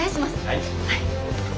はい。